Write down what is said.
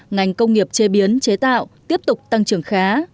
ngành công nghiệp chế biến chế tạo tiếp tục tăng trưởng khá